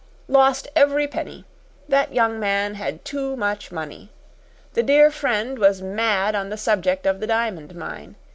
"Lost every penny. That young man had too much money. The dear friend was mad on the subject of the diamond mine.